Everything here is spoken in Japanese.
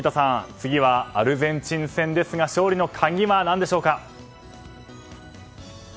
次はアルゼンチン戦ですが勝利の鍵は何でしょうか？